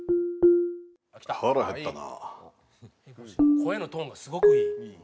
「声のトーンがすごくいい」